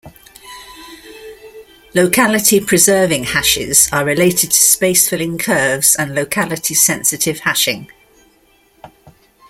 Locality preserving hashes are related to space-filling curves and locality-sensitive hashing.